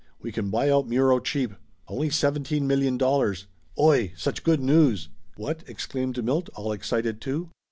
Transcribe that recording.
"We can buy out Muro cheap ! Only seventeen million dollars ! Oy ! Such good news !" "What?" exclaimed Milt, all excited too.